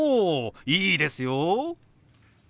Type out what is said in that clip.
いいですよ！